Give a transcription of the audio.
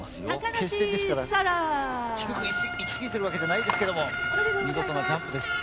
決して低くいきすぎてるわけじゃないですけども見事なジャンプです。